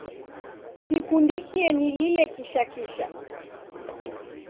Sikundikie nilile kisha kisha